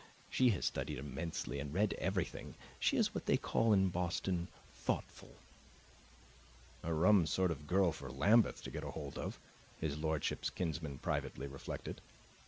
She has studied immensely and read everything; she is what they call in Boston 'thoughtful.'" "A rum sort of girl for Lambeth to get hold of!" his lordship's kinsman privately reflected.